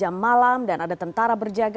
apakah jalanan di kota tel aviv masih berakhir